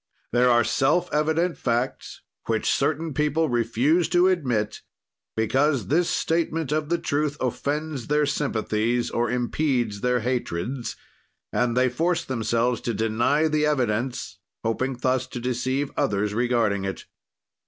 "There are self evident facts, which certain people refuse to admit, because this statement of the truth offends their sympathies or impedes their hatreds, and they force themselves to deny the evidence, hoping thus to deceive others regarding it.